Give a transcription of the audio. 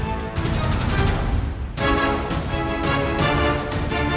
aku yang menghalangimu